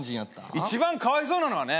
一番かわいそうなのはね